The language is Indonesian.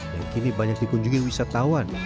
yang kini banyak dikunjungi wisatawan